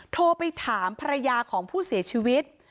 โทรไปถามภรรยาของผู้เสียชีวิต